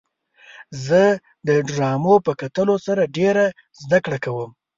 زه د ډرامو په کتلو سره ډېره زدهکړه کوم.